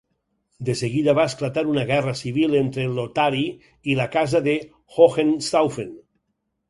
De seguida va esclatar una guerra civil entre Lotari i la casa de Hohenstaufen.